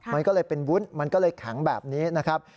มันก็เลยเป็นวุ้นมันก็เลยแข็งแบบนี้นะครับ